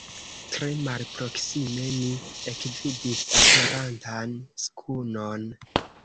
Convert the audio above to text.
Tre malproksime mi ekvidis aperantan skunon.